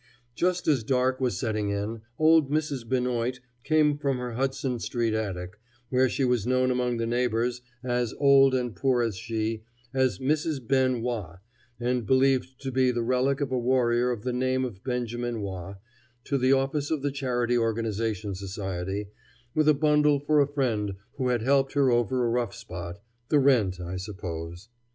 Just as dark was setting in, old Mrs. Benoit came from her Hudson street attic where she was known among the neighbors, as old and poor as she, as Mrs. Ben Wah, and believed to be the relict of a warrior of the name of Benjamin Wah to the office of the Charity Organization Society, with a bundle for a friend who had helped her over a rough spot the rent, I suppose.